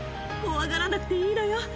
怖がらなくていいのよ。